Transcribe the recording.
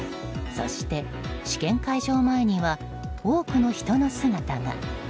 そして試験会場前には多くの人の姿が。